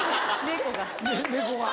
猫が。